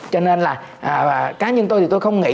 cho nên là cá nhân tôi thì tôi không nghĩ